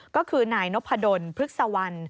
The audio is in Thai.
ก็คือนายนพดลพฤกษวรรณ